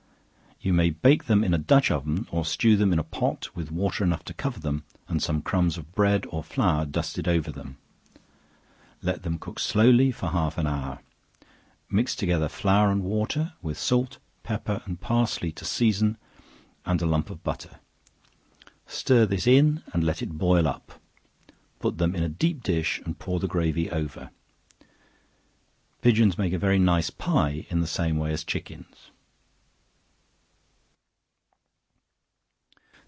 You may bake them in a dutch oven or stew them in a pot, with water enough to cover them, and some crumbs of bread or flour dusted over them; let them cook slowly half an hour; mix together flour and water, with salt, pepper, and parsley to season, and a lump of butter; stir this in and let it boil up; put them in a deep dish and pour the gravy over. Pigeons make a very nice pie in the same way as chickens.